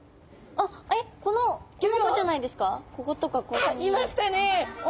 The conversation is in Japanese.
あっいましたね。